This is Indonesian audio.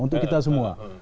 untuk kita semua